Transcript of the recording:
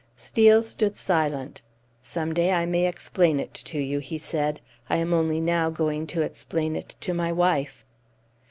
Steel stood silent. "Some day I may explain it to you," he said. "I am only now going to explain it to my wife."